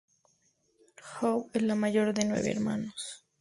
Howe es la mayor de nueve hermanos.